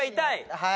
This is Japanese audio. はい。